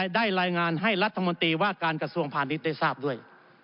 ได้รายงานให้รัฐมนตรีว่าการกระทรวงพาณิชย์ได้ทราบด้วย